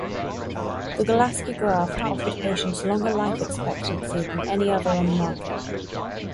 The Golaski graft offered patients longer life expectancy than any other on the market.